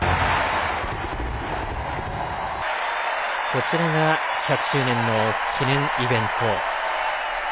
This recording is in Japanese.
こちらが１００周年の記念イベント。